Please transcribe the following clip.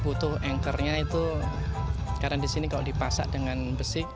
butuh anchor nya itu karena di sini kalau dipasak dengan besi